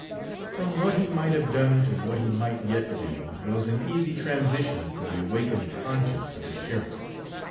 From what he might have done to what he might yet do was an easy transition for the awakened conscience of the sheriff.